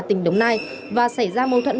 tỉnh đồng nai và xảy ra mâu thuận